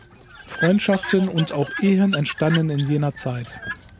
Freundschaften und auch Ehen entstanden in jener Zeit.